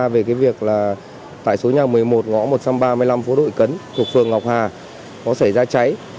về việc tại số nhà một mươi một ngõ một trăm ba mươi năm phố đồi cấn thuộc phường ngọc hà có xảy ra cháy